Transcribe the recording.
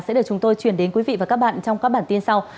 sẽ được chúng tôi chuyển đến quý vị và các bạn trong các bản tin sau